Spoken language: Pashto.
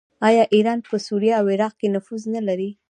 آیا ایران په سوریه او عراق کې نفوذ نلري؟